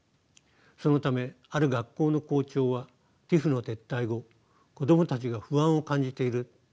そのためある学校の校長はＴＩＰＨの撤退後子供たちが不安を感じていると述べています。